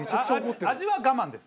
味は我慢です。